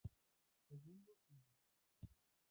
Segundo siglo